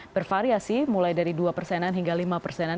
bervariasi mulai dari dua persenan hingga lima persenan